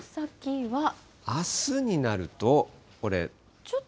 あすになるとこれ。